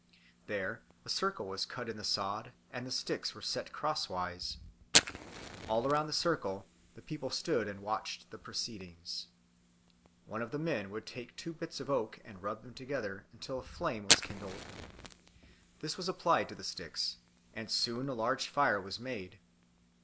There a circle was cut in the sod, and the sticks were set crosswise. All around the circle the people stood and watched the proceedings. One of the men would then take two bits of oak, and rub them together until a flame was kindled. This was applied to the sticks, and soon a large fire was made.